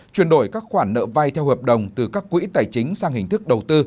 chuyển đổi các khoản nợ vay theo hợp đồng từ các quỹ tài chính sang hình thức đầu tư